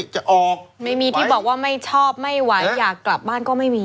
จะออกไม่มีที่บอกว่าไม่ชอบไม่ไหวอยากกลับบ้านก็ไม่มี